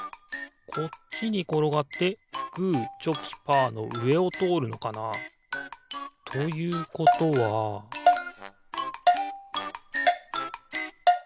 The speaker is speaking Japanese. こっちにころがってグーチョキパーのうえをとおるのかな？ということはピッ！